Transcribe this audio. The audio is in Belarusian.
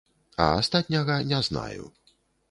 А астатняга не знаю.